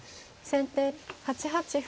先手８八歩。